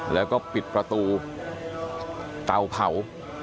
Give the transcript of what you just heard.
แล้วก็ปิดประตูเตาเผา